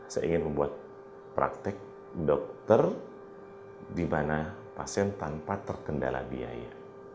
saya ingin membuat praktek dokter di mana pasien tanpa terkendala biaya